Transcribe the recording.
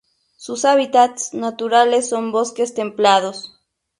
Sus hábitats naturales son bosques templados.